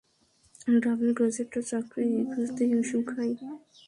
Double গ্রাজুয়েটরাও চাকরি খুঁজতে হিমশিম খায়।